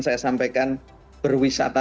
saya sampaikan berwisata